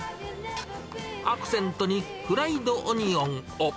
アクセントにフライドオニオンを。